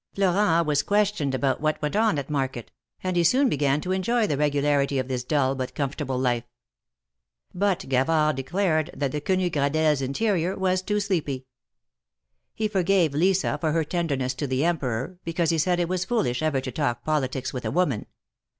Florent was questioned about what went on at market, and he soon began to enjoy the regularity of this dull but comfortable life. THE MARKETS OF PARIS. VM But Gavard declared that the Quenu Gradelles' interior was too sleepy. He forgave Lisa for her tenderness to the Emperor, because he said it was foolish ever to talk poli tics with a woman.